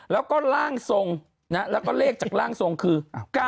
แล้วก็ร่างทรงแล้วก็เลขจากร่างทรงคือ๙๙